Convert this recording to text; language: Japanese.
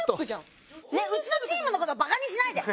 ねえうちのチームの事バカにしないで。